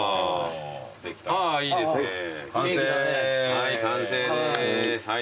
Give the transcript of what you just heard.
はい完成です。